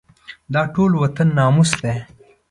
دا ټول وطن ناموس دی.